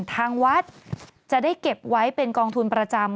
ทางวัดจะได้เก็บไว้เป็นกองทุนประจำ